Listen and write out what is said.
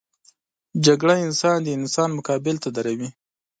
جګړه انسان د انسان مقابل ته دروي